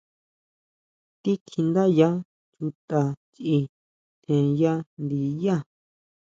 Tíkjiʼndáyá chuta chʼi tjenya ndiyá.